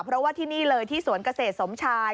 เพราะว่าที่นี่เลยที่สวนเกษตรสมชาย